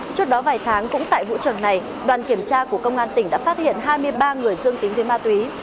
trước đó vài tháng cũng tại vũ trường này đoàn kiểm tra của công an tỉnh đã phát hiện hai mươi ba người dương tính với ma túy